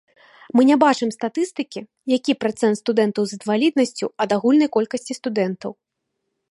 Мы не бачым статыстыкі, які працэнт студэнтаў з інваліднасцю ад агульнай колькасці студэнтаў.